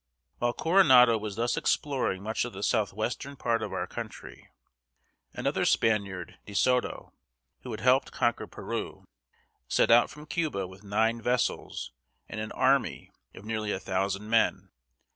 While Coronado was thus exploring much of the southwestern part of our country, another Spaniard, De So´to, who had helped conquer Peru, set out from Cuba with nine vessels and an army of nearly a thousand men.